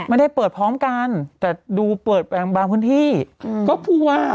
ไม่ได้เปิดพร้อมกันแต่ดูเปิดบางพื้นที่ก็พูดว่า